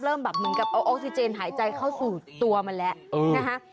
เริ่มแบบเหมือนกับเอาออกซิเจนหายใจเข้าสู่ตัวมันแล้วนะคะ